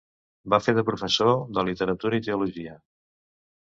Va fer de professor de literatura i teologia.